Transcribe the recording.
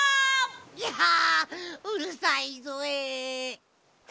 ぎゃうるさいぞえ。